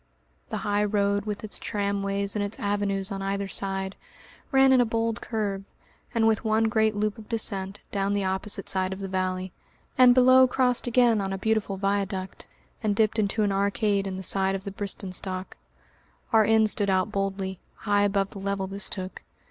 The high road, with its tramways and its avenues on either side, ran in a bold curve, and with one great loop of descent, down the opposite side of the valley, and below crossed again on a beautiful viaduct, and dipped into an arcade in the side of the Bristenstock. Our inn stood out boldly, high above the level this took.